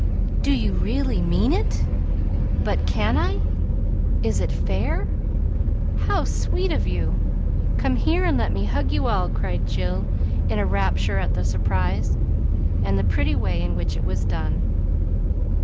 "Do you really mean it? But can I? Is it fair? How sweet of you! Come here and let me hug you all!" cried Jill, in a rapture at the surprise, and the pretty way in which it was done.